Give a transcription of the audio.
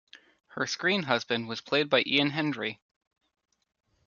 Her screen husband was played by Ian Hendry.